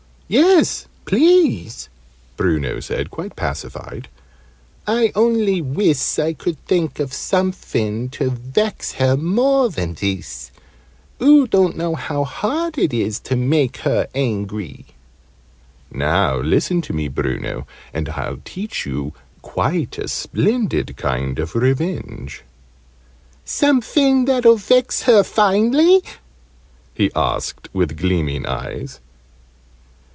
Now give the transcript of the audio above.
"Yes, please," Bruno said, quite pacified. "Only I wiss I could think of somefin to vex her more than this. Oo don't know how hard it is to make her angry!" "Now listen to me, Bruno, and I'll teach you quite a splendid kind of revenge!" "Somefin that'll vex her finely?" he asked with gleaming eyes.